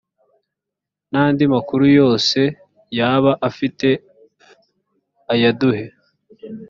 n andi makuru yose yaba afite ayaduhe